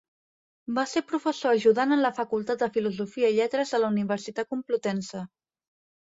Va ser professor ajudant en la Facultat de Filosofia i Lletres de la Universitat Complutense.